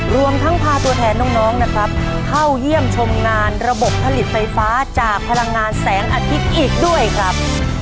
รวมทั้งพาตัวแทนน้องนะครับเข้าเยี่ยมชมงานระบบผลิตไฟฟ้าจากพลังงานแสงอาทิตย์อีกด้วยครับ